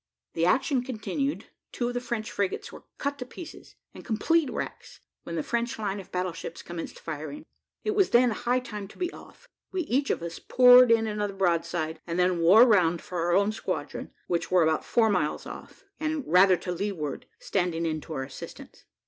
The action continued; two of the French frigates were cut to pieces, and complete wrecks, when the French line of battle ships commenced firing. It was then high time to be off. We each of us poured in another broadside, and then wore round for our own squadron, which were about four miles off, and rather to leeward, standing in to our assistance.